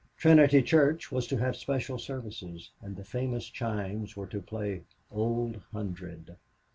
Trinity Church was to have special services, and the famous chimes were to play "Old Hundred."